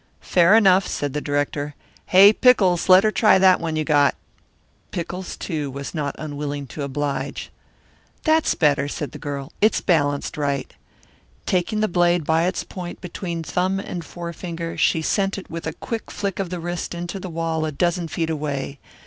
"Fair enough," said the director. "Hey, Pickles, let her try that one you got." Pickles, too, was not unwilling to oblige. "That's better," said the girl. "It's balanced right." Taking the blade by its point between thumb and forefinger she sent it with a quick flick of the wrist into the wall a dozen feet away.